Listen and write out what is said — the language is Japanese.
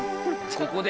ここで？